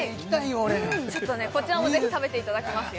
俺ちょっとねこちらもぜひ食べていただきますよ